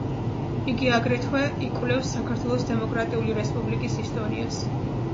იგი აგრეთვე იკვლევს საქართველოს დემოკრატიული რესპუბლიკის ისტორიას.